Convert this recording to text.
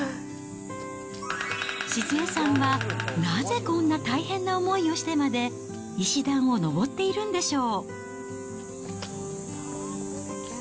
静恵さんは、なぜこんな大変な思いをしてまで、石段を上っているんでしょう。